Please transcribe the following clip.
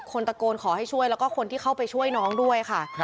คนตะโกนขอให้ช่วยแล้วก็คนที่เข้าไปช่วยน้องด้วยค่ะ